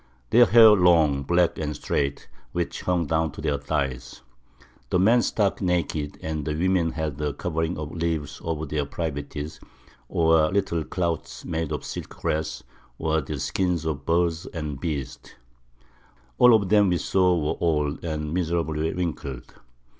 Their Hair long, black, and straight, which hung down to their Thighs. The Men stark naked, and the Women had a Covering of Leaves over their Privities, or little Clouts made of Silk Grass, or the Skins of Birds and Beasts. All of them that we saw were old, and miserably wrinkled.